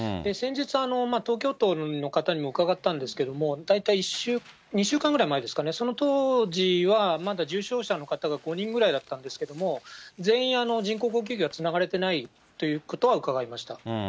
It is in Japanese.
先日、東京都の方にも伺ったんですけれども、大体２週間ぐらい前ですかね、その当時はまだ重症者の方が５人ぐらいだったんですけれども、全員、人工呼吸器はつながれてないということは伺いました。